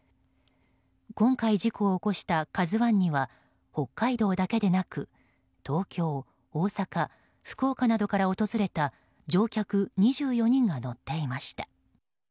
今回事故を起こした「ＫＡＺＵ１」には北海道だけでなく東京、大阪、福岡などから訪れた乗客２４人が乗っていました。